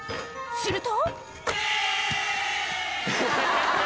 すると